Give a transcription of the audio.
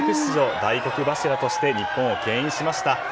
大黒柱として日本を牽引しました。